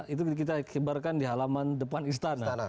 itu kita kibarkan di halaman depan istana